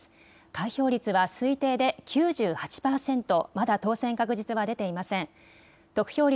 開票率は推定で９８％、まだ当選確実は出ていません。